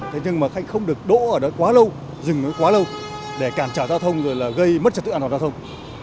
thế nhưng mà khách không được đỗ ở đó quá lâu dừng nó quá lâu để cản trả giao thông rồi là gây mất trật tự an toàn giao thông